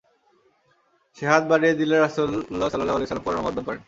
সে হাত বাড়িয়ে দিলে রাসূলুল্লাহ সাল্লাল্লাহু আলাইহি ওয়াসাল্লাম করমর্দন করেন।